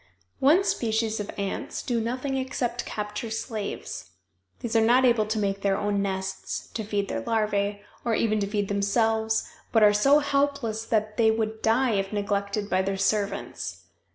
One species of ants do nothing except capture slaves. These are not able to make their own nests, to feed their larvæ, or even to feed themselves, but are so helpless they would die if neglected by their servants.